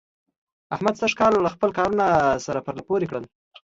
احمد سږکال خپل کارونه سره پرله پورې کړل.